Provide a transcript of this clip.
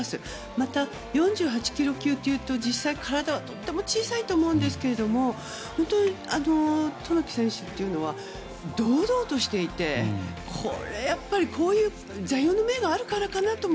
また、４８ｋｇ級って体はとっても小さいと思うんですが本当に渡名喜選手っていうのは堂々としていてこういう座右の銘があるからかなとも